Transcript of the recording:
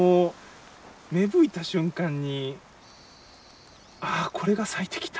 芽吹いた瞬間にああこれが咲いてきた。